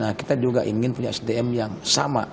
nah kita juga ingin punya sdm yang sama